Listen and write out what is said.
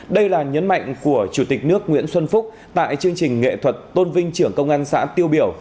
đây là nhấn mạnh của chủ tịch nước nguyễn xuân phúc tại chương trình nghệ thuật tôn vinh trưởng công an xã tiêu biểu